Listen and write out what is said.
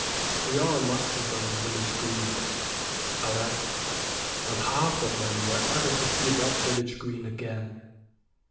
We all mustered on the village green. Alas, not half of them were ever to see that village green again!